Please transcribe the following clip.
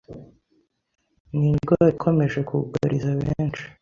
ni indwara ikomeje kugariza benshi